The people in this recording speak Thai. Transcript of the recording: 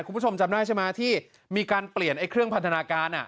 คุณผู้ชมจำได้ใช่ไหมที่มีการเปลี่ยนเครื่องพันธนาการ